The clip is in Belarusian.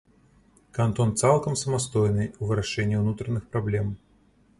Кантон цалкам самастойны ў вырашэнні ўнутраных праблем.